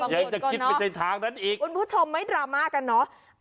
ยังจะคิดไปในทางนั้นอีกคุณผู้ชมไม่ดราม่ากันเนอะ